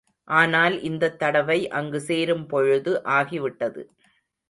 ஆனால் இந்தத் தடவை அங்கு சேரும்பொழுது ஆகிவிட்டது.